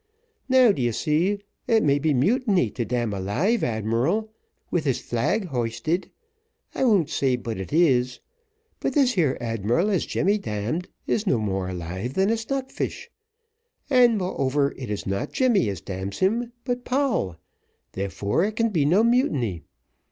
Now, d'ye see, it may be mutiny to damn a live admiral, with his flag hoisted I won't say but what it is but this here admiral as Jemmy damned, is no more alive than a stock fish; and, moreover, it is not Jemmy as damns him, but Poll; therefore it can be no mutiny.